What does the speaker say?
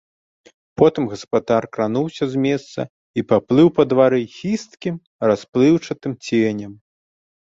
Потым гаспадар крануўся з месца і паплыў па двары хісткім расплыўчатым ценем.